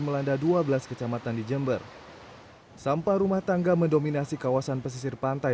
melanda dua belas kecamatan di jember sampah rumah tangga mendominasi kawasan pesisir pantai